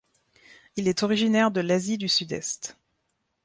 Il est originaire de l'Asie du Sud-est.